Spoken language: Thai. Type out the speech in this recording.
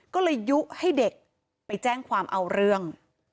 ก็เลยยุให้เด็กไปแจ้งความเอาเรื่อง